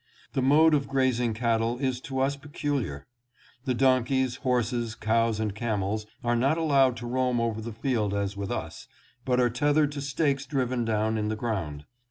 The mode of grazing cattle is to us peculiar. The donkeys, horses, cows and camels are not allowed to roam over the field as with us, but are tethered to stakes driven down in the ground.